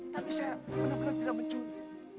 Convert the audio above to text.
tapi saya benar benar tidak mencuri